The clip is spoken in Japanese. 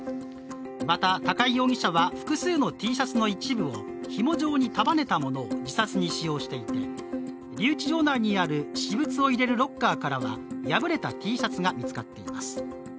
また、高井容疑者は複数のＴシャツの一部をひも状に束ねたものを自殺に使用していて、留置場内にある私物を入れるロッカーからは破れたＴシャツが見つかっています。